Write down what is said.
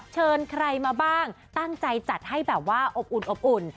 เชิญใครมาบ้างตั้งใจจัดให้แบบว่าอบอุ่นอบอุ่น